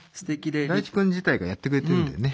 大知くん自体がやってくれてるんだよね。